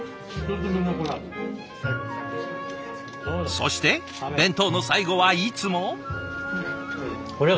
そして弁当の最後はいつも。